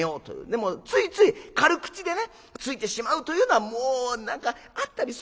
でもついつい軽口でねついてしまうというのはもう何かあったりするのかな。